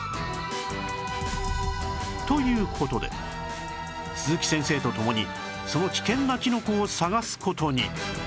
という事で鈴木先生と共にその危険なキノコを探す事に